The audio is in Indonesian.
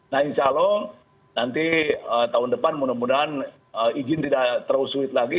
nah insya allah nanti tahun depan mudah mudahan izin tidak terlalu sulit lagi